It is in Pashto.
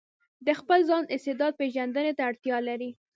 د خپل ځان استعداد پېژندنې ته اړتيا لري.